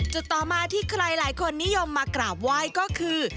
ต่อมาที่ใครหลายคนนิยมมากราบไหว้ก็คือ